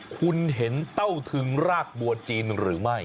คุณเห็นเต้าทึงรากบัวจีนหรือไม่